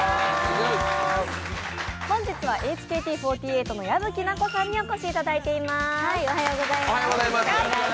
本日はＨＫＴ４８の矢吹奈子さんにお越しいただいています。